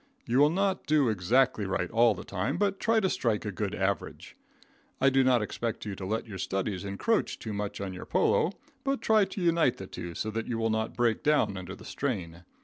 You will not do exactly right all the time, but try to strike a good average. I do not expect you to let your studies encroach, too much on your polo, but try to unite the two so that you will not break down under the strain.